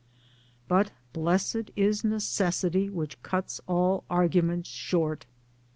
But blessed is Necessity which cuts all arguments short!